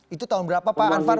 itu tahun berapa pak anwar